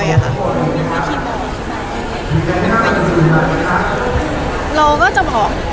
มีที่บอกที่จะบอกตลอดไหม